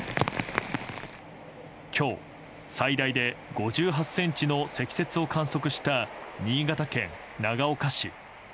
今日、最大で５８ｃｍの積雪を観測した新潟県長岡市。